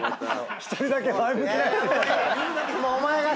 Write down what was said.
１人だけ前向きなやつ。